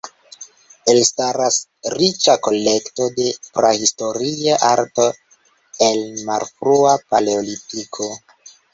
Elstaras riĉa kolekto de prahistoria arto el Malfrua Paleolitiko.